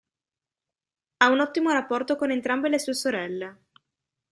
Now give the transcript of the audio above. Ha un ottimo rapporto con entrambe le sue sorelle.